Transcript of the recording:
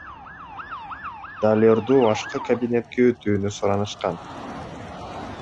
Далерду башка кабинетке өтүүнү суранышкан.